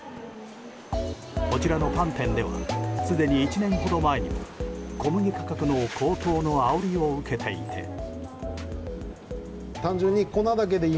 こちらのパン店ではすでに１年ほど前に小麦価格の高騰のあおりを受けていて。